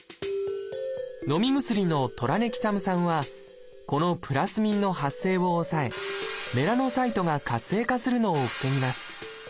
のみ薬の「トラネキサム酸」はこのプラスミンの発生を抑えメラノサイトが活性化するのを防ぎます。